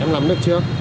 em làm được chưa